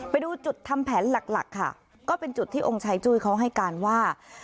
ไปดูจุดทำแผนหลักหลักค่ะก็เป็นจุดที่องค์ชายจุ้ยเขาให้การว่า